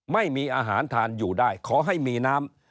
ไม่มีอาหารทานอยู่ได้ขอให้มีน้ำ